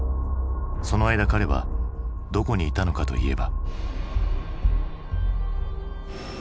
その間彼はどこにいたのかといえば。